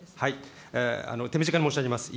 手短に申し上げます。